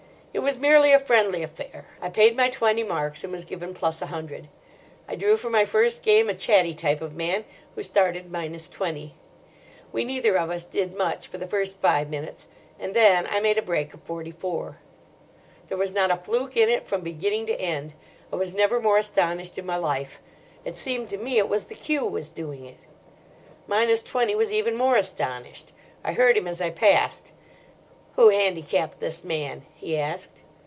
It was merely a friendly affair. I paid my twenty marks, and was given plus a hundred. I drew for my first game a chatty type of man, who started minus twenty. We neither of us did much for the first five minutes, and then I made a break of forty four. There was not a fluke in it from beginning to end. I was never more astonished in my life. It seemed to me it was the cue was doing it. Minus Twenty was even more astonished. I heard him as I passed: "Who handicapped this man?" he asked.